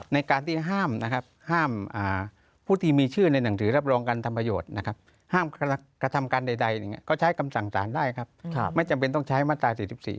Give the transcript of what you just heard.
ในการที่ห้ามนะครับห้ามผู้ที่มีชื่อในหนังสือรับรองการทำประโยชน์นะครับห้ามกระทำการใดก็ใช้คำสั่งสารได้ครับไม่จำเป็นต้องใช้มาตรา๔๔